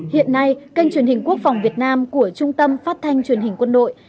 hiện nay kênh truyền hình quốc phòng việt nam của trung tâm phát thanh truyền hình quân đội